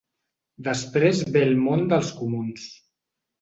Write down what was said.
Després ve el món dels comuns.